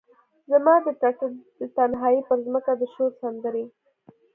زما د ټټر د تنهایې پرمځکه د شور سندرې،